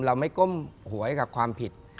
เราไม่ก้มหวยกับความผิด